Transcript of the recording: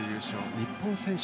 日本選手